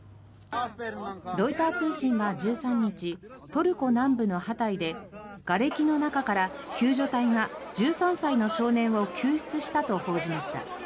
ロイター通信は１３日トルコ南部のハタイでがれきの中から救助隊が１３歳の少年を救出したと報じました。